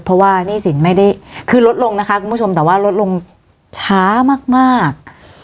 เพราะว่าหนี้สินไม่ได้คือลดลงนะคะคุณผู้ชมแต่ว่าลดลงช้ามาก